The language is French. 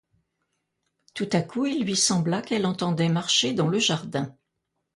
Tout à coup il lui sembla qu'elle entendait marcher dans le jardin.